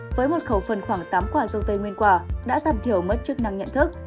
với một khẩu phần khoảng tám quả dâu tây nguyên quả đã giảm thiểu mất chức năng nhận thức